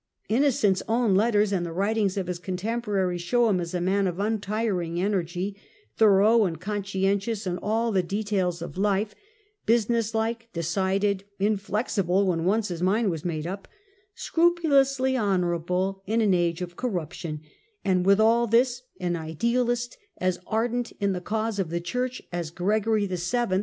Innocent's own letters and the writings of his contemporaries show him as a man of untiring energy, thorough and conscientious in all the details of life, business like, decided, inflexible when once his mind was made up, scrupulously honourable in an age of corruption, and with all this an idealist, as ardent in the cause of the Church as Gregory VII.